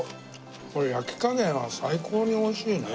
これ焼き加減が最高においしいな。